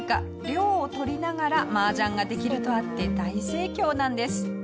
涼をとりながら麻雀ができるとあって大盛況なんです。